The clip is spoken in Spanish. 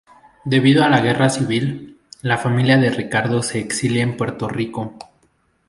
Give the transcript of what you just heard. Debido a la guerra civil, la familia de Ricardo se exilia en Puerto Rico.